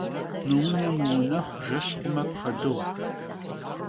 Mıune - mıunexhu, jjeş xhume pxhedığu.